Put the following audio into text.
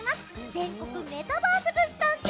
「全国メタバース物産展」。